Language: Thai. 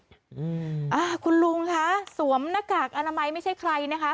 อ่าคุณลุงคะสวมหน้ากากอนามัยไม่ใช่ใครนะคะ